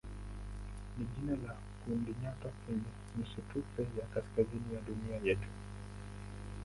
ni jina la kundinyota kwenye nusutufe ya kaskazini ya dunia yetu.